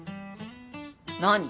何？